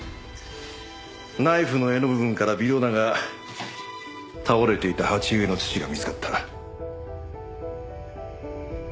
ナイフの柄の部分から微量だが倒れていた鉢植えの土が見つかった。